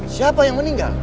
siapa yang meninggal